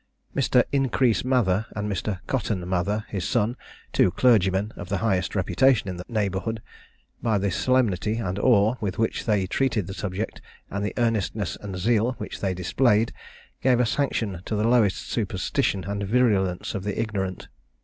Mr. Increase Mather, and Mr. Cotton Mather, his son, two clergymen of the highest reputation in the neighbourhood, by the solemnity and awe with which they treated the subject, and the earnestness and zeal which they displayed, gave a sanction to the lowest superstition and virulence of the ignorant.